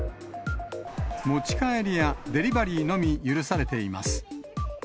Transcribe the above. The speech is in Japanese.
持ち帰りやデリバリーのみ許されています。